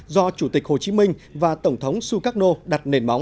do chủ tịch hồ chí minh và tổng thống sukarno đặt nền móng